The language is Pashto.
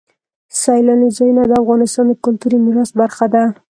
سیلانی ځایونه د افغانستان د کلتوري میراث برخه ده.